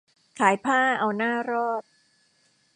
ขายผ้าเอาหน้ารอด